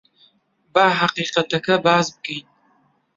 با ھەقیقەتەکە باس بکەین.